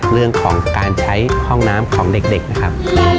เรื่องของการใช้ห้องน้ำของเด็กนะครับ